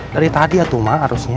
dari tadi ya tuh ma harusnya